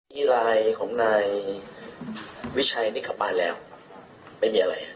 มีรายของนายวิชัยนิขป้านแล้วไม่มีอะไร